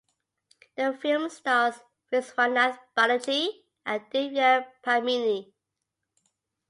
The film stars Viswanath Balaji and Divya Padmini.